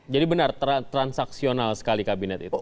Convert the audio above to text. jadi benar transaksional sekali kabinet itu